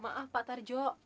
maaf pak tartjo